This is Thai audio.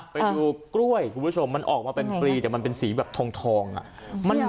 ไปดูกล้วยคุณผู้ชมมันออกมาเป็นฟรีแต่มันเป็นสีแบบทองอ่ะ